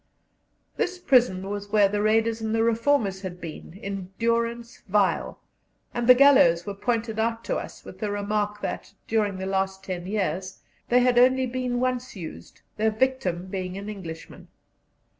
This prison was where the Raiders and the Reformers had been in durance vile, and the gallows were pointed out to us with the remark that, during the last ten years, they had only been once used, their victim being an Englishman.